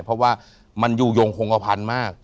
เพราะว่ามันอยู่ยงคงกระพันธุ์มาก